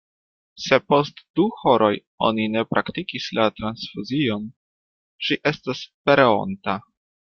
Se post du horoj oni ne praktikis la transfuzion, ŝi estas pereonta.